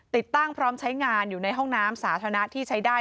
ติดตั้งพร้อมใช้งานอยู่ในห้องน้ำสาธารณะที่ใช้ได้